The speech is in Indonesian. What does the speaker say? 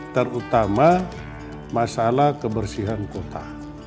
terutama masalah kebersihan kota